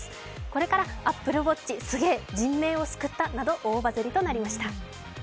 これから、ＡｐｐｌｅＷａｔｃｈすげー、人命を救ったなど大バズりとなりました。